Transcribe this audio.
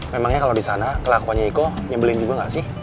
memangnya kalo disana kelakuannya iko nyebelin juga gak sih